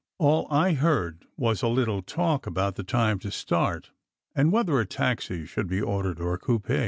All I heard was a little talk about the time to start, and whether a taxi should be ordered or a coupe.